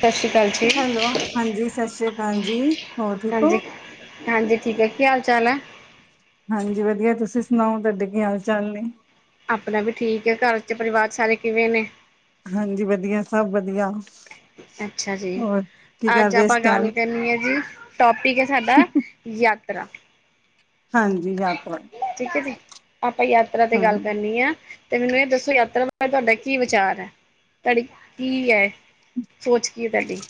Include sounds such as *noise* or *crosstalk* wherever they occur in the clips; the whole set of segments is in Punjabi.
ਸਸ਼੍ਰੀਕਾਲ ਜੀ। ਹੈਲੋ, ਹਾਂਜੀ ਸਾਸ੍ਰੀਕਾਲ ਜੀ ਹੋਰ ਠੀਕ ਓ? ਹਾਂਜੀ ਹਾਂਜੀ, ਠੀਕ ਐ ਕੀ ਹਾਲ ਚਾਲ ਐ? ਹਾਂਜੀ ਵਧੀਆ, ਤੁਸੀ ਸੁਣਾਓ ਤਾਡੇ ਕੀ ਹਾਲ ਚਾਲ ਨੇ? ਆਪਨਾ ਵੀ ਠੀਕ ਐ ਘਰ ਚ ਪਰਿਵਾਰ ਸਾਰੇ ਕਿਵੇਂ ਨੇ? ਹਾਂਜੀ ਵਧੀਆ, ਸਬ ਵਧੀਆ। ਅੱਛਾ ਜੀ, ਹੋਰ ਕੀ ਕਰ ਅੱਜ ਰਹੇ ਇਸ ਆਪਾਂ ਟਾਈਮ ਗੱਲ ਕਰਨੀ ਐ ਜੀ ਟੋਪਿਕ ਐ ਸਾਡਾ ਯਾਤਰਾ। ਹਾਂਜੀ ਯਾਤਰਾ ਠੀਕ ਐ ਜੀ ਆਪਾਂ ਯਾਤਰਾ ਤੇ ਗੱਲ ਹਾਂਜੀ ਕਰਨੀ ਐ। ਤੇ ਮੈਨੂੰ ਏ ਦੱਸੋ ਯਾਤਰਾ ਬਾਰੇ ਤੁਆਡਾ ਕੀ ਵਿਚਾਰ ਐ ਤੁਆਡੀ ਕੀ ਐ। ਸੋਚ ਕੀ ਐ ਤਾਡੀ?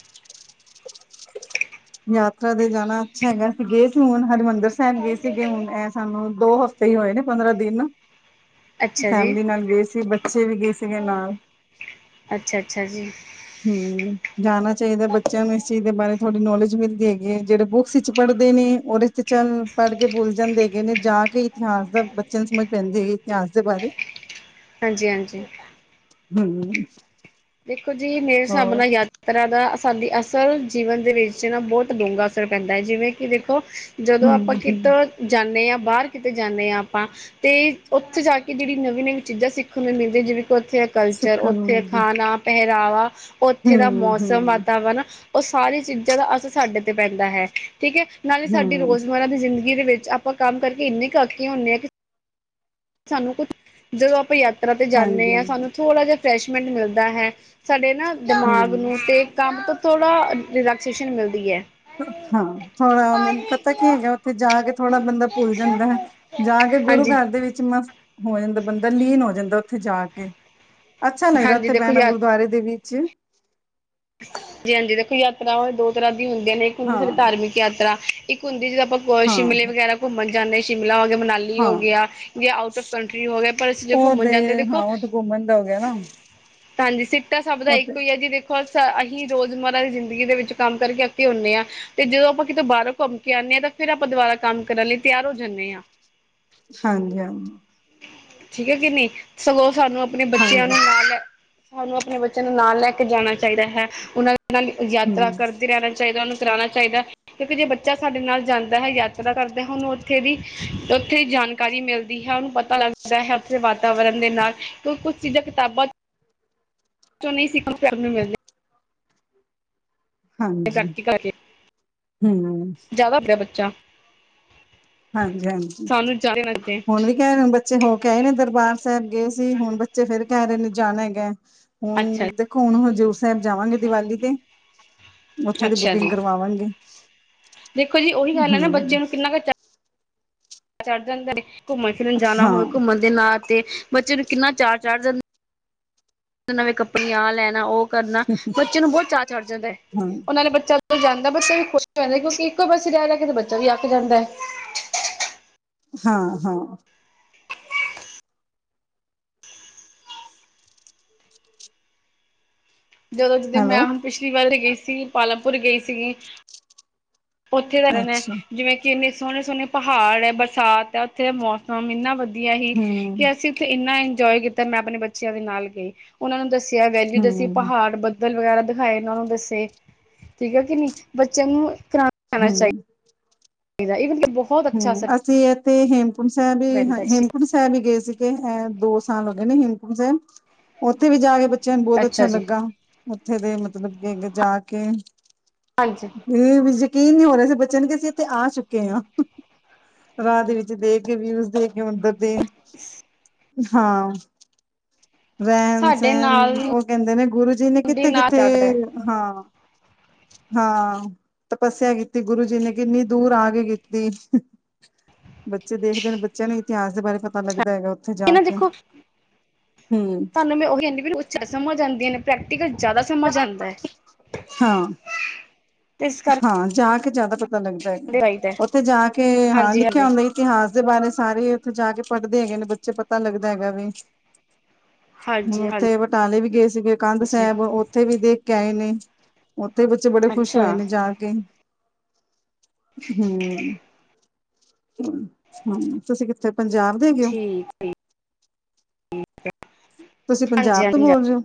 ਯਾਤਰਾ ਤੇ ਜਾਨਾ ਅੱਛਾ ਹੈਗਾ ਅਸੀ ਗਏ ਸੀ ਹੁਨ ਹਰਿਮੰਦਰ ਸੈਬ ਗਏ ਸੀਗੇ ਹੁਨ ਐ ਸਾਨੂੰ ਦੋ ਹਫ਼ਤੇ ਈ ਹੋਏ ਨੇ ਪੰਦਰਾ ਦਿਨ ਅੱਛਾ ਜੀ ਫੈਮਿਲੀ ਨਾਲ ਗਏ ਸੀ ਬੱਚੇ ਵੀ ਗਏ ਸੀਗੇ ਨਾਲ। ਅੱਛਾ-ਅੱਛਾ ਜੀ। ਹੂੰ ਜਾਨਾ ਚਾਈਦਾ ਬੱਚਿਆਂ ਨੂੰ ਇਸ ਚੀਜ਼ ਦੇ ਬਾਰੇ ਥੋੜ੍ਹੀ ਨੌਲੇਜ ਮਿਲਦੀ ਹੈਗੀ ਐ ਜੇੜੇ ਬੁੱਕਸ ਇਚ ਪੜਦੇ ਨੇ ਓਦੇ ਚ ਤੇ ਚੱਲ ਪੜ੍ਹ ਕੇ ਭੁੱਲ ਜਾਂਦੇ ਹੇਗੇ ਨੇ ਜਾ ਕੇ ਈ ਇਤਿਹਾਸ ਦਾ ਬੱਚਿਆਂ ਨੂੰ ਸਮਝ ਪੈਂਦੀ ਹੇਗੀ ਇਤਿਹਾਸ ਦੇ ਬਾਰੇ ਹਾਂਜੀ ਹਾਂਜੀ ਹੰ *unintelligible* ਦੇਖੋ ਜੀ ਮੇਰੇ ਸਾਬ ਨਾ ਯਾਤ ਤਰਾ ਦਾ ਸਾਡੀ ਅਸਲ ਜੀਵਨ ਦੇ ਵਿੱਚ ਨਾ ਬੌਤ ਡੂੰਘਾ ਅਸਰ ਪੈਂਦਾ ਐ ਜਿਵੇਂ ਕਿ ਵੇਖੋ ਜਦੋ ਹੂੰ ਆਪਾਂ ਕਿਤੋ ਹੂੰ ਜਾਨੇ ਆਂ ਬਾਰ ਕਿਤੇ ਜਾਨੇ ਆਂ ਆਪਾਂ ਤੇ ਓਥੇ ਜਾ ਕੇ ਜੇੜੀ ਨਵੀਂ-ਨਵੀਂ ਚੀਜ਼ਾਂ ਸਿੱਖਣ ਨੂੰ ਮਿਲਦੀਆਂ ਜਿਵੇਂ ਕਿ ਓਥੇ ਕਲਚਰ, ਸਿੱਖਣ ਨੂੰ ਓਥੇ ਮਿਲਦੀ ਖਾਨਾ ਪਹਿਰਾਵਾ, ਓਥੇ ਦਾ ਹੂੰ ਮੌਸਮ, ਹੂੰ ਵਾਤਾਵਰਨ ਓ ਸਾਰੀ ਚੀਜਾਂ ਦਾ ਅਸਰ ਸਾਡੇ ਤੇ ਪੈਂਦਾ ਹੈ ਠੀਕ ਏ ਨਾਲੇ ਸਾਡੀ ਹੂੰ ਰੋਜ਼ਮਰਾ ਦੀ ਜ਼ਿੰਦਗੀ ਦੇ ਵਿੱਚ ਆਪਾਂ ਕੰਮ ਕਰਕੇ ਇੰਨੇ ਕੇ ਆਕ ਗੇ ਹੁੰਣੇ ਆ ਸਾਨੂੰ ਕੁਤ ਜਦੋਂ ਆਪਾਂ ਯਾਤਰਾ ਤੇ ਜਾਂਣੇ ਹਾਂਜੀ ਆ ਹਾਂਜੀ ਸਾਨੂੰ ਥੋੜ੍ਹਾ ਜਿਹਾ ਫਰੈਸ਼ਮੈਂਟ ਮਿਲਦਾ ਹੈ ਸਾਡੇ ਨਾ ਦਿਮਾਗ ਹੂੰ ਨੂੰ ਤੇ ਕੰਪ ਤੋਂ ਥੋੜਾ ਡਰੇਕਸੇਸ਼ਨ ਮਿਲਦੀ ਐ ਹਾਂ ਥੋੜ੍ਹਾ ਮੈਨੂੰ ਪਤਾ ਕੀ ਹੈਗਾ ਉੱਥੇ ਜਾ ਕੇ ਥੋੜ੍ਹਾ ਬੰਦਾ ਭੁੱਲ ਜਦਾ ਐ ਜਾ ਕੇ ਗੁਰੂ ਹਾਂਜੀ ਘਰ ਦੇ ਵਿੱਚ ਮਸਤ ਹੋ ਜਾਂਦਾ ਬੰਦਾ ਲੀਨ ਹੋ ਜਾਂਦਾ‌ ਉੱਥੇ ਜਾ ਕੇ ਅੱਛਾ ਲੱਗਦਾ ਹਾਂਜੀ ਉੱਥੇ ਦੇਖੋ ਬੈਣਾ ਯਾ ਗੁਰਦੁਆਰੇ ਦੇ ਵਿੱਚ ਜੀ ਹਾਂਜੀ ਦੇਖੋ ਯਾਤਰਾ ਓ ਦੋ ਤਰ੍ਹਾਂ ਦੀ ਹੁੰਦੀਆਂ ਨੇ ਇੱਕ ਹਾਂ ਹੁੰਦੀ ਧਾਰਮਿਕ ਯਾਤਰਾ ਇੱਕ ਹੁੰਦੀ ਈ ਜਿਦਾਂ ਆਪਾਂ ਗੋਆ ਹਾਂ ਸ਼ਿਮਲੇ ਵਗੈਰਾ ਘੁੰਮਣ ਜਾਂਣੇ ਐ ਸ਼ਿਮਲਾ ਹੋ ਗਿਆ ਮਨਾਲੀ ਈ ਹਾਂ ਹੋ ਗਿਆ ਜਾਂ ਆਊਟ ਔਫ ਕੰਟਰੀ ਹੋ ਗਿਆ ਪਰ ਅਸੀਂ ਜੇ ਉਹ ਤੇ ਘੁੰਮਣ ਜਾਂਦੇ ਦੇਕੋ ਹਾਂ ਓ ਉਹ ਤੇ ਘੁੰਮਣ ਦਾ ਹੋ ਗਿਆ ਨਾ ਹਾਂਜੀ ਸਿੱਟਾ ਸਭ ਦਾ ਉਹ ਤੇ ਇੱਕੋ ਉ ਐ ਜੀ ਦੇਖੋ ਪਰ ਸਰ ਅਹੀ ਰੋਜ਼ ਮਰਾ ਦੀ ਜ਼ਿੰਦਗੀ ਦੇ ਵਿੱਚ ਕੰਮ ਕਰਕੇ ਅੱਕੇ ਹੁੰਣੇ ਆ ਤੇ ਜਦੋਂ ਆਪਾਂ ਕਿਤੋ ਬਾਰੋਂ ਘੁੰਮ ਕੇ ਆਣੇ ਆ ਤਾਂ ਫਿਰ ਆਪਾਂ ਦੇਬਾਰਾ ਕੰਮ ਕਰਨ ਲਈ ਤਿਆਰ ਹੋ ਜਾਣੇ ਆ ਹਾਂਜੀ ਹਾਂਜੀ ਠੀਕ ਐ ਕਿ ਨਹੀਂ ਸਗੋਂ ਸਾਨੂੰ ਆਪਣੇ ਬੱਚਿਆਂ ਹਾਂਜੀ ਨੂੰ ਨਾਲ ਲੈ ਹਾਨੂੰ ਆਪਣੇ ਬੱਚਿਆਂ ਨੂੰ ਨਾਲ ਲੈ ਕੇ ਜਾਣਾ ਚਾਹੀਦਾ ਹੈ ਉਹਨਾਂ ਨਾਲ ਯਾਤਰਾ ਹਮ ਕਰਦੇ ਰਹਿਣਾ ਚਾਹੀਦਾ ਉਹ ਨੂੰ ਕਰਾਣਾ ਚਾਈਦਾ ਕਿਉਂਕਿ ਕੀ ਜੇ ਬੱਚਾ ਸਾਡੇ ਨਾਲ ਜਾਂਦਾ ਹੈਗਾ ਐ ਪਤਾ ਕਰਦੇ ਹਾ ਉਹਨੂੰ ਉੱਥੇ ਦੀ ਉੱਥੇ ਦੀ ਜਾਣਕਾਰੀ ਮਿਲਦੀ ਹੈ ਉਹਨੂੰ ਪਤਾ ਲੱਗਦਾ ਹੈ। ਵਾਤਾਵਰਨ ਦੇ ਨਾਲ ਕੁੱ ਕੁੱ ਚੀਜ਼ਾਂ ਕਿਤਾਬਾਂ ਚੋ ਹਮ। ਜੋ ਨਹੀਂ ਸੀ ਕੰਮ ਕਰਨ ਨੂੰ ਮਿਲਦੇ ਕਰ ਹਾਂਜੀ ਕੀ ਕਰ ਰੇ ਹਮ ਜ਼ਿਆਦਾ ਪਿਆ ਬੱਚਾ ਹਾਂਜੀ ਹਾਂਜੀ ਸਾਨੂੰ ਜ਼ਿਆਦਾ ਲੱਗਦੇ ਹੁਣ ਵੀ ਕਹਿ ਰਹੇ ਹੁਣ ਬੱਚੇ ਹੋ ਕੇ ਆਏ ਨੇ ਦਰਬਾਰ ਸਾਹਿਬ ਗਏ ਸੀ ਹੁਣ ਬੱਚੇ ਫੇਰ ਕਹਿ ਰਹੇ ਨੇ ਜਾਣਾ ਹੈਗਾ ਹੁਣ ਅੱਛਾ ਦੇਖੋ ਹੁਣ ਹਜ਼ੂਰ ਸਾਹਿਬ ਜਾਵਾਂਗੇ ਦੀਵਾਲੀ ਤੇ ਉੱਥੇ ਦੀ ਅੱਛਾ ਬੁਕਿੰਗ ਜੀ। ਕਰਵਾਵਾਂਗੀ ਦੇਖੋ ਜੀ ਉਹੀ ਗੱਲ ਐ ਨਾ ਬੱਚੇ ਨੂੰ ਕਿੰਨਾ ਟਾ ਚਾ ਚੜ ਜਾਦਾ ਆ ਘੁੰਮਣ ਫਿਰਨ ਜਾਣਾ ਹਾਂ ਹੋਵੇ ਘੁੰਮਣ ਦੇ ਨਾਲ ਤੇ ਬੱਚੇ ਨੂੰ ਕਿੰਨਾ ਚਾ ਚੜ ਜਾਂਦੇ ਤੇ ਨਵੇਂ ਕੱਪੜੀਆਂ ਆਹ ਲੈਣਾ ਉਹ ਕਰਨਾ ਬੱਚੇ ਨੂੰ ਬਹੁਤ ਚਾਅ ਚੜ ਜਾਂਦਾ ਐ ਹਾਂ ਉਹ ਨਾਲੇ ਏ ਬੱਚਾ ਆ ਜਦੋ ਜਾਂਦਾ ਐ ਬੱਚਾ ਨੇ ਪੁਸ਼ ਕਰ ਰਹਿ ਓ ਕਿਉ ਇੱਕੋ ਪਾਸੇ ਰਹਿ ਰਹਿ ਕੇ ਤਾਂ ਬੱਚਾ ਵੀ ਅੱਕ ਜਾਂਦਾ ਐ ਹਾਂ ਹਾਂ ਜਦੋਂ ਓ ਤੂ ਤੇ ਹੈਲੋ ਮੈਂਮ ਪਿਛਲੀ ਵਾਲੀ ਈ ਗਏ ਸੀ ਪਾਲਮਪੁਰ ਗਏ ਸੀ ਗੀ ਉੱਥੇ ਦਾ ਰਹਿੰਣਾ ਅੱਛਾ ਜਿਵੇਂ ਕਿੰਨੇ ਸੋਹਣੇ ਸੋਹਣੇ ਪਹਾੜ ਹੈ ਬਰਸਾਤ ਐ ਉੱਥੇ ਦਾ ਮੌਸਮ ਇੰਨਾ ਵਧੀਆ ਕਿ ਐ ਹੀ ਹਮ ਕੀ ਅਸੀਂ ਉੱਥੇ ਇੰਨਾ ਇੰਜੋਏ ਕੀਤਾ ਮੈਂ ਆਪਣੇ ਬੱਚਿਆਂ ਦੇ ਨਾਲ ਗਏ ਉਹਨਾਂ ਨੂੰ ਦੱਸਿਆ ਗਿਆ ਕੀ ਤੁਸੀਂ ਹਮ ਪਹਾੜ ਬਦ ਵਗੈਰਾ ਦਿਖਾਏ ਉਹਨਾਂ ਨੂੰ ਦੱਸੇ ਠੀਕ ਹੈ ਕਿ ਨੀ ਬੱਚਿਆਂ ਨੂੰ ਹੂੰ ਇਹ ਦਾ ਏਬਨ ਲੱਬੁ ਹੂ ਅਸੀਂ ਐਤੇ ਏ ਹੇਮਕੁੰਡ ਸਾਹਿਬ ਪੈਂਦਾ ਇਸ ਚੀਜ਼ ਹੇਮਕੁੰਡ ਫੈਮਲੀ ਈ ਗਏ ਸੀਗੇ ਹੈ ਦੋ ਸਾਲ ਹੋ ਗਏ ਨੇ ਹੇਮਕੁੰਮ ਸਾਹਿਬ ਉੱਥੇ ਵੀ ਜਾਏ ਬਚ ਬੱਚਿਆਂ ਨੂੰ ਬਹੁਤ ਅੱਛਾ ਲੱਗਾ ਆ ਉੱਥੇ ਦੇ ਮਤਲਬ ਕਿ ਜਾ ਕੇ ਏ ਆਜਾ ਫੇਰ ਵੀ ਯਕੀਨ ਨਹੀਂ ਹੋ ਰਿਹਾ ਸੀ ਬੱਚਿਆਂ ਨੂੰ ਕਿ ਅਸੀਂ ਇੱਥੇ ਆ ਚੁੱਕੇ ਆ ਰਾਹ ਦੇ ਵਿੱਚ ਦੇ ਕੇ ਵੀਊਜ ਦੇਖ ਕੇ ਉਦਰ ਦੇ ਏ ਹਮ। ਹਾਂ। ਰਹਿਣ ਸਾਡੇ ਸਹਿਣ ਨਾਲ ਉਹ ਕਹਿੰਦੇ ਨੇ ਗੁਰੂ ਜੀ ਨੇ ਦੀ ਨਾਲ ਕਿੱਥੇ-ਕਿੱਥੇ ਚੜਦਾ ਹੈ ਹਾਂ। ਹਾਂ ਤਪੱਸਿਆ ਕੀਤੀ ਗੁਰੂ ਜੀ ਨੇ ਕਿੰਨੀ ਦੂਰ ਆ ਕੇ ਕੀਤੀ। ਬੱਚੇ ਦੇਖਦੇ ਨੇ ਬੱਚਿਆਂ ਨੂੰ ਇਤਿਹਾਸ ਦੇ ਬਾਰੇ ਪਤਾ ਲੱਗਦਾ ਹੈਗਾ। ਉੱਥੇ ਜਾ ਨਾ ਕੇ ਦੇਖੋ ਹੂੰ ਤੁਹਾਨੂੰ ਉਹੀ ਐਨੀ ਵੀ *unintelligible* ਉਾ ਸਮਮ ਹੋ ਜਾਂਦੀਆਂ ਨੇ ਪ੍ਰੈਕਟੀਕਲ ਜ਼ਿਆਦਾ ਸਮਝ ਆਦਾ ਹੈ, ਹਾਂ ਤੇ ਇਸ ਕਰਕੇ ਹਾਂ ਜਾ ਕੇ ਜਿਆਦਾ ਪਤਾ ਲੱਗਦਾ ਹੈਗਾ, ਚਾਹੀਦਾ ਉਥੇ ਜਾ ਕੇ ਹਾਂ ਹਾਂਜੀ ਲਿਖਿਆ ਹਾਂਜੀ ਹੋਣ ਦਾ ਇਤਿਹਾਸ ਦੇ ਬਾਰੇ ਸਾਰੇ ਉਥੇ ਜਾ ਕੇ ਪੜ੍ਹਦੇ ਹੈਗੇ ਨੇ ਬੱਚੇ ਪਤਾ ਲੱਗਦਾ ਹੈਗਾ ਵੀ ਹੁਣ ਹਾਂਜੀ ਉਥੇ ਬਟਾਲੇ ਵੀ ਗਏ ਸੀਗੇ ਕੰਧ ਹਾਂਜੀ ਸੈਬ ਓਥੇ ਵੀ ਦੇਖ ਕੇ ਆਏ ਨੇ। ਓਥੇ ਬੱਚੇ ਬੜੇ ਖੁਸ਼ ਹੋਏ ਅੱਛਾ ਨੇ ਜਾ ਕੇ ਹਮ। ਹਾਂ ਤੁਸੀਂ ਕਿੱਥੋਂ ਪੰਜਾਬ? ਦੇ ਹੈਗੇ ਹੋ ਠੀਕ ਤੁਸੀਂ ਹਾਂਜੀ ਪੰਜਾਬ ਤੋਂ ਹਾਂਜੀ ਬੋਲ ਰੇ ਓ?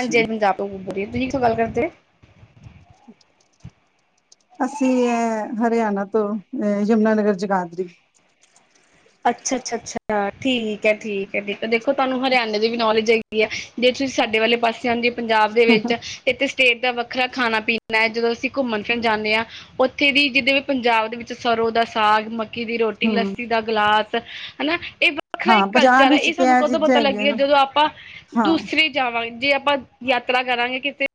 ਹਾਂਜੀ ਪੰਜਾਬ ਤੋਂ ਬੋਲ ਰੀ ਆ, ਤੁਸੀਂ ਕਿਥੋਂ ਗੱਲ ਕਰਦੇ? ਅਸੀਂ ਐ ਹਰਿਆਣਾ ਤੋਂ, ਅਹ ਯਮੁਨਾਨਗਰ ਜਗਾਦਰੀ। ਅੱਛਾ-ਅੱਛਾ-ਅੱਛਾ ਠੀਕ ਐ, ਠੀਕ ਐ, ਠੀਕ ਐ ਫੇਰ ਤਾਂ ਦੇਖੋ ਤੁਹਾਨੂੰ ਹਰਿਆਣੇ ਦੇ ਵੀ ਨੌਲੇਜ ਹੈ। ਗੀਆ ਜੇ ਤੁਸੀਂ ਸਾਡੇ ਵਾਲੇ ਪਾਸੇ ਆਂਦੇ ਪੰਜਾਬ ਦੇ ਵਿੱਚ ਇੱਥੇ ਸਟੇਟ ਦਾ ਵੱਖਰਾ ਖਾਣਾ ਪੀਣਾ ਐ, ਜਦੋਂ ਅਸੀਂ ਘੁੰਮਣ ਫਿਰਨ ਜਾਂਨੇ ਆ ਓਥੇ ਦੀ ਜਿਦ ਵੀ ਪੰਜਾਬ ਦੇ ਵਿੱਚ ਸਰੋਂ ਦਾ ਸਾਗ ਮ ਮੱਕੇ ਦੀ ਰੋਟੀ ਹੂੰ। ਲੱਸੀ ਦਾ ਗਲਾਸ ਹਨਾ ਏ ਵੱਖਰਾ ਹਾਂ ਇੱਕ ਪੰਜਾਬ ਕਲਚਰ ਐ, ਵਿੱਚ ਏ ਤੇ ਸਾਨੂੰ ਇਹ ਕਦੋਂ ਚੀਜ਼ਾਂ ਪਤਾ ਹੈਗੀਆਂ ਲੱਗੇਗਾ ਨੇ ਜਦੋਂ ਆਪਾਂ ਹਾਂ ਦੂਸਰੇ ਜਾਵਾਂ ਜੇ ਆਪਾਂ ਯਾਤਰਾ ਕਰਾਂਗੇ ਕਿਥੇ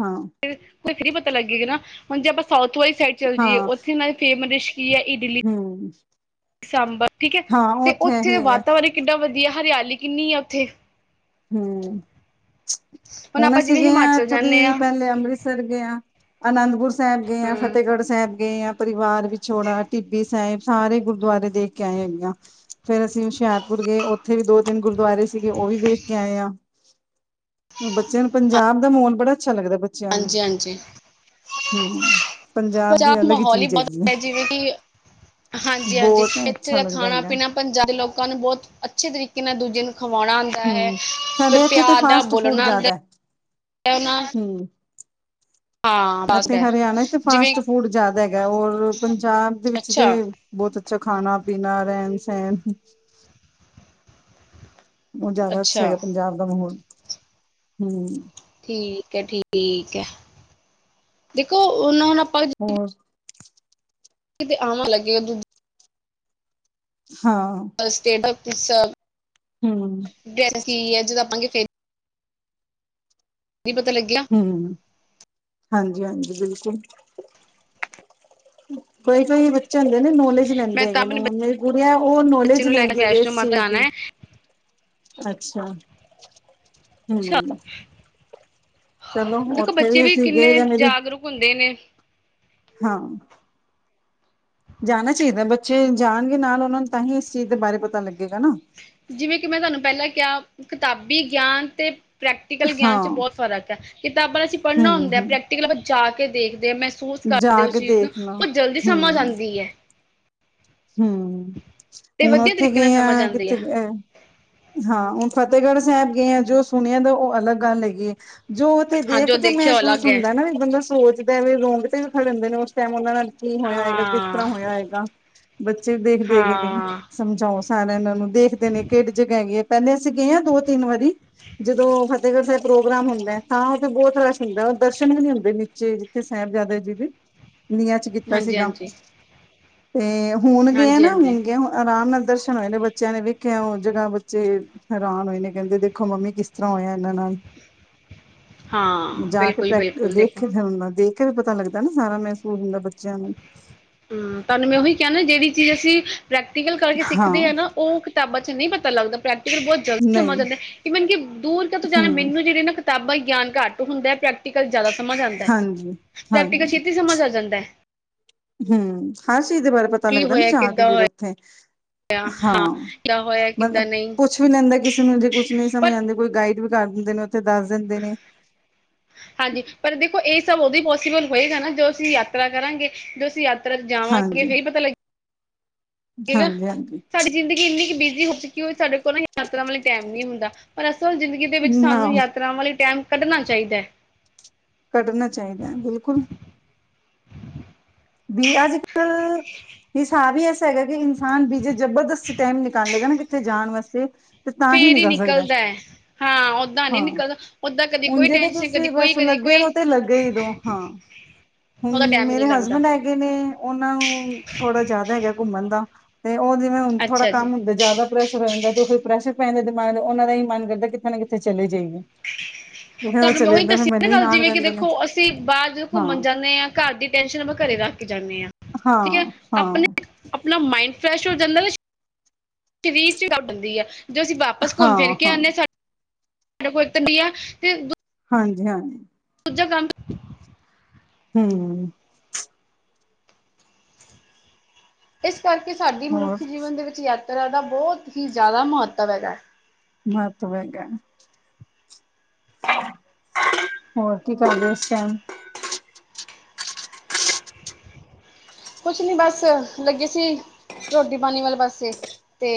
ਹਾਂ। ਫ ਫਿਰ ਈ ਪਤਾ ਲੱਗੇਗਾ ਨਾ, ਹੁਣ ਜੇ ਆਪਾਂ ਸਾਊਥ ਵਾਲੀ ਸਾਈਡ ਚੱਲ ਜੀਏ ਉੱਥੇ ਇਨਾਂ ਦੇ ਫੇਮਸ ਡਿਸ਼ ਕੀ ਐ ਇਡਲੀ ਹਮ। ਸਾਂਬਰ ਠੀਕ ਐ ਤੇ ਓਥੇ ਇਹੀ ਦਾ ਹੈਗਾ ਵਾਤਾਵਰਨ ਕਿਡਾ ਵਧੀਆਂ ਐ ਹਰਿਆਲੀ ਕਿੰਨੀ ਆ ਉੱਥੇ। ਹਮ ਹੁਣ ਆਪਾਂ ਅਸੀਂ ਜਿਵੇਂ ਗਏ ਹਾਂ ਹਿਮਾਚਲ ਇੱਥੋਂ ਜਾਂਦੇ ਦੀ ਹਾਂ ਪੈਲੇ ਅੰਮ੍ਰਿਤ ਸਰ ਗਿਆਂ, ਅਨੰਦਪੁਰ ਸੈਬ ਗਿਆਂ, ਹੂੰ ਫਤਿਹਗੜ੍ਹ ਸੈਬ ਗਏ ਆ, ਪਰਿਵਾਰ ਵਿਛੋੜਾ ਟਿੱਬੀ ਸਾਇਬ, ਸਾਰੇ ਗੁਰਦੁਆਰੇ ਦੇਖ ਕੇ ਆਏ ਹੈਗੇ ਆ। ਫੇਰ ਅਸੀਂ ਹੁਸ਼ਿਆਰਪੁਰ ਗਏ ਓਥੇ ਵੀ ਦੋ-ਤਿੰਨ ਗੁਰਦੁਆਰੇ ਸੀਗੇ ਓ ਵੀ ਵੇ ਆ ਬੱਚਿਆਂ ਨੂੰ ਪੰਜਾਬ ਦਾ ਮਾਹੋਲ ਬੜਾ ਅੱਛਾ ਲੱਗਦਾ ਬ ਹਾਂਜੀ-ਹਾਂਜੀ। ਹਮ ਦੀ ਪੰਜਾਬ ਅਲੱਗ ਮਾਹੌਲ ਹੀ ਚੀਜ਼ ਬੜਾ ਹੈਗੀ ਵਧੀਆ ਏ ਜਿਵੇਂ ਕਿ ਹਾਂਜੀ-ਹਾਂਜੀ ਬਹੁਤ ਏਥੇ ਅੱਛਾ ਦਾ ਲੱਗਦਾ ਹੈਗਾ ਖਾਣਾ-ਪੀਣਾ ਪੰਜਾਬ ਦੇ ਲੋਕਾਂ ਨੂੰ ਬੋਹੋਤ ਅੱਛੇ ਤਰੀਕੇ ਨਾਲ ਦੂਜੇ ਨੂੰ ਖਵਾਣਾ ਆਂ ਆਂਦਾ ਹੈ, ਹਮ ਤੇ ਸਾਡੇ ਇੱਥੇ ਪਿਆਰ ਨਾਲ ਫਾਸਟ ਬੋਲਣਾ ਆਂਦਾ ਹੈ ਹੂੰ। *inaudible* ਹਾਂ ਬਸ ਅਤੇ ਹੈ ਹਰਿਆਣਾ ਚ ਤੇ ਜਿਵੇਂ ਫਾਸਟ ਫੂਡ ਜਾਦਾ ਹੈਗਾ, ਔਰ ਪੰਜਾਬ ਦੇ ਵਿੱਚ ਤੇ ਅੱਛਾ ਬੋਤ ਅੱਛਾ ਖਾਣਾ ਪੀਣਾ ਰੈਣ ਸੈਣ। ਬਹੁਤ ਜਿਆਦਾ ਅੱਛਾ ਹੈਗਾ ਪੰਜਾਬ ਦਾ ਮਾਹੌਲ ਹਮ। ਠੀਕ ਐ, ਠੀਕ ਐ ਦੇਖੋ ਉਨਾਨੂੰ ਹੁਣ ਆਪਾਂ ਹੋਰ ਤੇ ਆਮ ਲੱਗੇਗਾ ਦੂਜ ਹਾਂ। ਸਟੇਟਸ ਕਿਸ ਹੂੰ। ਡਰੈਸ ਕੀ ਐ ਜਦੋਂ ਆਪਾਂ ਫੇਰ ਨਈ ਪਤਾ ਲੱਗੇਆ ਹੂੰ ਹਾਂਜੀ-ਹਾਂਜੀ ਬਿਲਕੁੱਲ। ਫਈ-ਫਈ *unintelligible* ਬੱਚੇ ਹੁੰਦੇ ਨੇ ਨੌਲੇਜ ਮੈਂ ਲੈਂਦੇ ਤਾਂ ਹੈਗੇ ਨੇ, ਆਪਣੇ ਹੁਣ ਮੇਰੀ ਗੁੜੀਆ ਓ ਬੱਚੇ ਨੌਲੇਜ ਨੂੰ ਲੈ ਕੇ ਲੈਂਦੀ ਹੈਗੀ ਵੈਸ਼ਨੋ ਇਸ ਮਾਤਾ ਚੀਜ਼ ਜਾਣਾ ਦੀ। ਹੈ ਅੱਛਾ, ਅੱਛਾ ਹੂੰ। ਚਲੋ ਦੇਖੋ ਉੱਥੇ ਬੱਚੇ ਵੀ ਅਸੀਂ ਗਏ ਕਿੰਨੇ ਦੇ ਮੇਰੀ ਜਾਗਰੂਕ ਹੁੰਦੇ ਨੇ। ਹਾਂ। ਜਾਣਾ ਚਾਈਦਾ ਬੱਚੇ ਜਾਣਗੇ ਨਾਲ ਓਨਾਂ ਨੂੰ ਤਾਂ ਹੀ ਇਸ ਚੀਜ਼ ਦੇ ਬਾਰੇ ਪਤਾ ਲੱਗੇਗਾ ਨਾ। ਜਿਵੇਂ ਕਿ ਮੈਂ ਤੁਆਨੂੰ ਪੇਲਾਂ ਕੇਆ, ਕਿਤਾਬੀ ਗਿਆਨ ਤੇ ਪ੍ਰੈਕਟੀਕਲ ਗਿਆਨ ਚ ਹਾਂ ਬੋਤ ਫ਼ਰਕ ਐ, ਕਿਤਾਬਾਂ ਅਸੀਂ ਹੂੰ ਪੜ੍ਹਨਾ ਹੁੰਦਾ ਹੂੰ ਪ੍ਰੈਕਟੀਕਲ ਆਪਾਂ ਜਾ ਕੇ ਦੇਖਦੇ ਆ ਮੈਂ ਮਹਿਸੂਸ ਕਰਦੀ ਜਾ ਉਸ ਕੇ ਚੀਜ਼ ਨੂੰ ਦੇਖਣਾ ਓ ਜਲਦੀ ਸਮਝ ਆਂਦੀ ਐ। ਤੇ ਹੂ--ਹੁਣ ਵਧੀਆ ਓਥੇ ਤਰੀਕੇ ਨਾਲ ਗਏ ਸਮਝ ਆ, ਆਉਂਦੀ ਕਿੱਥੇ ਗਏ। ਹਾਂ ਹੁਣ ਫਤੇਗੜ੍ਹ ਸਾਬ ਗਏ ਆ, ਜੋ ਸੁਣੇਆ ਤਾਂ ਓ ਅਲੱਗ ਗੱਲ ਹੈਗੀ ਏ। ਜੋ ਤੇ ਹਾਂ ਦੇਖ ਜੋ ਕੇ ਦੇਖਿਆ ਉਹ ਮਹਿਸੂਸ ਅਲੱਗ ਹੈ ਹੁੰਦਾ ਨਾ, ਵੀ ਬੰਦਾ ਸੋਚਦਾ ਵੇ ਰੋਂਗਟੇ ਵੀ ਖੜੇ ਹੁੰਦੇ ਨੇ, ਓਸ ਟਾਈਮ ਓਨਾਂ ਨਾਲ। ਕੀ ਹੋਏਆ ਹੈਗਾ, ਕਿਸ ਹਾਂ ਤਰ੍ਹਾਂ ਹੋਏਆ ਹੈਗਾ, ਬੱਚੇ ਦੇਖਦੇ ਹੈਗੇ ਨੇ, ਹਾਂ ਸਮਝਾਓ ਸਾਰਾ ਏਨਾਂ ਨੂੰ ਦੇਖਦੇ ਨੇ ਕੇੜੀ ਜਗ੍ਹਾ ਹੈਗੀਏ, ਪੇਲੇ ਅਸੀਂ ਗਏ ਆ ਦੋ ਤਿੰਨ ਵਾਰੀ ਜਦੋਂ ਉਹ ਜਦੋ ਓਥੇ ਪ੍ਰੋਗਰਾਮ ਹੁੰਦਾ, ਹਾ ਓਥੇ ਬੋਤ ਰਸ਼ ਹੁੰਦਾ, ਦਰਸ਼ਨ ਵੀ ਨਈ ਹੁੰਦੇ ਞਿੱਚੇ ਜਿੱਥੇ ਸਾਹਿਬਜ਼ਾਦਾ ਜੀ ਦੇ। ਨੀਆਂ ਚ ਦੀਤਾ ਹਾਂਜੀ ਸੀਗਾ, ਹਾਂਜੀ ਤੇ ਹੁਣ ਗਏ ਹਾਂਜੀ ਨਾ, ਹਾਂਜੀ ਹੁਣ ਗਏ ਆਰਾਮ ਨਾਲ ਦਰਸ਼ਨ ਹਾਂਜੀ, ਬੱਚੇਆਂ ਨੇੇ ਵੇਖੇਆ ਹੁਣ ਜਗ੍ਹਾ ਬੱਚੇ ਹੈਰਾਨ ਹੋਏ ਨੇ ਕੇਂਦੇ ਦੇਖੋ ਮੰਮੀ ਕਿਸ ਤਰ੍ਹਾਂ ਹੋਇਆ ਏਨਾਂ ਨਾਲ ਹਾਂ ਜਾ ਕੇ ਬਿਲਕੁਲ ਪ੍ਰੈਕ ਬਿਲਕੁਲ ਦੇਖ ਦੇਖੋ ਕੇ ਫੇਰ ਨਾ ਦੇਖ ਫੇਰ ਪਤਾ ਲੱਗਦਾ ਨਾ ਸਾਰਾ ਮਹਿਸੂਸ ਹੁੰਦਾ ਬੱਚੇਆਂ ਨੂੰ। ਹੂੰ ਤੁਆਨੂੰ ਮੈਂ ਉਹੀ ਕੇਹਾ ਨਾ, ਜੇੜੀ ਚੀਜ਼ ਅਸੀਂ ਪ੍ਰੈਕਟੀਕਲ ਕਰਕੇ ਹਾਂ ਸਿੱਖਦੇ ਹਾ ਨਾ ਓ ਕਿਤਾਬਾਂ ਚ ਨਈ ਪਤਾ ਲੱਗਦਾ, ਪ੍ਰੈਕਟੀਕਲ ਬੋਤ ਜਲਦੀ ਸਮਝ ਨਹੀਂ ਆਂਦਾ, ਈਵਨ ਕਿ ਦੂਰ ਕਿਤੋਂ ਜਾਣਾ ਹਮ ਮੈਨੂੰ ਜੇੜੇ ਨਾ ਕਿਤਾਬਾਂ ਗਿਆਨ ਘੱਟ ਹੁੰਦਾ, ਹਪ੍ਰੈਕਟੀਕਲ ਜ਼ਿਆਦਾ ਸਮਝ ਆਂਦਾ, ਹਾਂਜੀ ਪ੍ਰੈਕਟੀਕਲ ਛੇਤੀ ਸਮਝ ਆ ਜਾਂਦਾ। ਹੂੰ, ਹਰ ਚੀਜ਼ ਦੇ ਬਾਰੇ ਪਤਾ ਕੀ ਲੱਗਦਾ ਨਾ ਹੋਇਆ ਜਾ ਕੇ ਕਿੱਦਾਂ ਫਿਰ ਓਥੇ। ਹੋਇਆ ਹਾਂ ਕਿੱਦਾਂ ਹੋਇਆ ਮਤਲਬ ਕਿੱਦਾਂ ਨਹੀਂ ਪੁੱਛ ਵੀ ਲੈਂਦੇ ਕਿਸੇ ਨੂੰ ਜੇ ਕੁਛ ਨਈ ਸਮਝ ਪਰ ਆਂਦੀ ਕੋਈ ਗਾਈਡ ਵੀ ਕਰ ਦਿੰਦੇ ਨੇ, ਓਥੇ ਦੱਸ ਦਿੰਦੇ ਨੇ। ਹਾਂਜੀ, ਪਰ ਦੇਖੋ ਏ ਸਭ ਓਦੋਂ ਪੋਸੀਬਲ ਹੋਏਗਾ ਨਾ ਜਦੋ ਅਸੀਂ ਯਾਤਰਾ ਕਰਾਂਗੇ, ਜਦੋ ਅਸੀਂ ਯਾ ਫੇਰ ਜਾਵਾਂਗੇ ਹਾਂਜੀ ਫੇਰ ਈ ਪਤਾ ਲੱਗੇ। ਗਾ, ਹਾਂਜੀ ਹਾਂਜੀ ਸਾਡੀ ਜ਼ਿੰਦਗੀ ਏੰਨੀ ਕੁ ਬਿਜ਼ੀ ਹੋ ਚੁੱਕੀ ਕਿ ਸਾਡੇ ਕੋਲ ਵੀ ਯਾਤਰਾ ਵੇਲੇ ਟਾਈਮ ਨਈ ਹੁੰਦਾ, ਪਰ ਅਸਲ ਜ਼ਿੰਦਗੀ ਦੇ ਵਿੱਚ ਨਾ ਸਾਨੂੰ ਯਾਤਰਾ ਵਾਲੇ ਟਾਏਮ ਕੱਢਣਾ ਚਾਈਦਾ। ਕੱਢਣਾ ਚਾਈਦਾ ਬਿਲਕੁਲ। ਬੀ ਅੱਜ -ਕੱਲ੍ਹ ਹਿਸਾਬ ਹੀ ਐਸਾ ਹੈਗਾ ਕਿ ਇਨਸਾਨ ਬੀਜੀ ਜਬਰਦਸਤੀ ਟਾਈਮ ਨਿਕਾਲੇਗਾ ਨਾ ਕਿੱਤੇ ਜਾਣ ਵਾਸਤੇ ਤੇ ਤਾਂ ਹੀ ਫੇਰ ਨੀ ਜਾ ਸਕਦਾ ਨਿਕਲਦਾ ਹੈ ਹਾਂ ਓਦਾਂ ਨਹੀਂ ਹਾਂ, ਨਿਕਲਦਾ ਓਦਾਂ ਕਦੀ ਓਂਝ ਕੋਈ ਤੇ ਟੈਨਸ਼ਨ ਕਦੀ ਤੁਸੀਂ ਕੋਈ ਬਸ ਕਦੀ ਲੱਗੇ ਰਓ ਕੋਈ ਤੇ ਲੱਗੇ ਹੀ ਰਓ ਹਾਂ, ਹੁਣ ਉਹਦਾ ਟਾਈਮ ਹੀ ਨਹੀਂ ਮੇਰੇ ਲੱਗਦਾ। ਹਸਬੈਂਡ ਆ ਹੈਗੇ ਨੇ ਓਨਾਂ ਨੂੰ ਥੋੜਾ ਜ਼ਾਦਾ ਹੈਗਾ ਘੁੰਮਣ ਦਾ, ਤੇ ਓ ਜਿਵੇਂ ਹਣ ਥੋੜਾ ਅੱਛਾ ਜੀ ਕੰਮ ਹੁੰਦਾ ਜ਼ਿਆਦਾ ਪ੍ਰੈਸ਼ਰ ਹੋ ਜਾਂਦਾ, ਤੇ ਕੋਈ ਪ੍ਰੈਸ਼ਰ ਪੈਂ ਜਾਂਦਾ ਦਿਮਾਗ ਓਨਾਂ ਦਾ ਏ ਮਨ ਕਰਦਾ, ਕਿੱਤੇ ਨਾ ਕਿੱਤੇ ਚਲੇ ਜਾਈਏ। ਤੇ ਫਿਰ ਉਹ ਤੁਆਨੂੰ ਮੈ ਚਲੇ ਓਹੀ ਜਾਂਦਾ ਫਿਰ ਦਸੀ ਨਾ ਮੈਨੂੰ ਵੀ ਗੱਲ, ਨਾਲ ਜਿਵੇਂ ਕਿ ਕਹਿੰਦੇ ਨੇ ਦੇਖੋ ਅਸੀਂ ਬਾਰ ਜਦੋਂ ਹਾਂ ਘੁੰਮਣ ਜਾਂਨੇ ਆ ਘਰ ਦੀ ਟੈਨਸ਼ਨ ਆਪਾਂ ਘਰੇ ਰੱਖ ਕੇ ਜਾਂਨੇ ਆ, ਠੀਕ ਐ ਹਾਂ ਹਾਂ ਆਪਣੇ ਆਪਣਾ ਮਾਈੰਡ ਫਰੈਸ਼ ਹੋ ਜਾਂਦਾ। ਸਰੀਰ ਚ ਉੱਡਦੀ ਆ ਜੋ ਅਸੀਂ ਵਾਪਸ ਘੁੰਮ ਫਿਰ ਕੇ ਆਉਦੇ ਹਾਂ ਸਾਡੇ ਪਵਿੱਤਰ ਦੀ ਆ ਤੇ ਹਾਂਜੀ-ਹਾਂਜੀ। ਦੂਜਾ ਕੰਮ ਹੂੰ। ਇਸ ਕਰਕੇ ਸਾਡੀ ਹੋਰ ਮਨੁੱਖੀ ਜੀਵਨ ਦੇ ਵਿੱਚ ਯਾਤਰਾ ਦਾ ਬਹੁਤ ਹੀ ਜ਼ਿਆਦਾ ਮਹੱਤਵ ਹੈਗਾ। ਮਹਤਵ ਹੈਗਾ। ਹੋਰ ਕੀ ਕਰਦੇ ਇਸ ਟਾਈਮ? ਕੁਛ ਨੀ ਬਸ ਲੱਗੇ ਸੀ, ਰੋਟੀ-ਪਾਣੀ ਵਾਲੇ ਪਾਸੇ। ਤੇ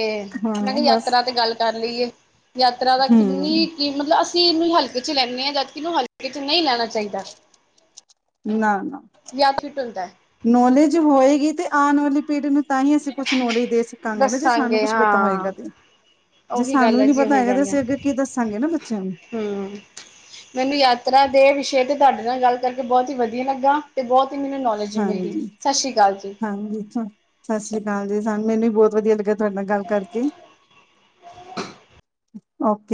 ਮੈਂ ਹਾਂ ਕਿਹਾ ਬਸ ਯਾਤਰਾ ਤੇ ਗੱਲ ਕਰ ਲਈਏ ਯਾਤਰਾ ਦਾ ਹਮ ਕਿੰਨੀ ਕਿ ਮਤਲਬ ਅਸੀਂ ਇਹਨੂੰ ਹਲਕੇ ਚ ਲੈਂਦੇ ਹਾਂ ਜਦਿ ਕਿ ਇਹਨੂੰ ਹਲਕੇ ਚ ਨਹੀਂ ਲੈਣਾ ਚਾਹੀਦਾ। ਨਾ-ਨਾ। ਯਾਦ ਫਿਟ ਹੁੰਦਾ ਹੈ। ਨੌਲੇਜ ਹੋਏਗੀ ਤੇ ਆਉਣ ਵਾਲੀ ਪੀੜ੍ਹੀ ਨੂੰ ਤਾਂ ਹੀ ਅਸੀਂ ਕੁਛ ਨੌਲੇਜ ਦੇ ਸਕਾਂਗੇ ਨਾ ਜੇ ਸਾਨੂੰ ਦੱਸਾਂਗੇ ਕੁਛ ਪਤਾ ਹਾਂ ਹੋਏਗਾ ਤੇ ਜੇ ਉਹੀ ਸਾਨੂੰ ਗੱਲ ਹੀ ਹੈ ਨੀ ਜੀ ਪਤਾ ਹੈਗਾ ਤੇ ਅਸੀਂ ਅੱਗੇ ਕੀ ਦੱਸਾਂਗੇ ਨਾ ਬੱਚਿਆਂ ਨੂੰ। ਹੂੰ। ਮੈਨੂੰ ਯਾਤਰਾ ਦੇ ਵਿਸ਼ੇ ਤੇ ਤੁਹਾਡੇ ਨਾਲ ਗੱਲ ਕਰਕੇ ਬਹੁਤ ਹੀ ਵਧੀਆ ਲੱਗਾ ਤੇ ਬਹੁਤ ਹੀ ਮੈਨੂੰ ਨੋਲਜ ਬਸ ਜੀ ਮਿਲਗੀ, ਹਾਂਜੀ ਸਤਿ ਸ੍ਰੀ ਅਕਾਲ ਜੀ। ਸਤਿ ਸ੍ਰੀ ਅਕਾਲ ਜੀ ਸਾਨੂੰ ਮੈਨੂੰ ਵੀ ਬਹੁਤ ਵਧੀਆ ਲੱਗਿਆ ਤੁਹਾਡੇ ਨਾਲ ਗੱਲ ਕਰਕੇ। ਓਕੇ।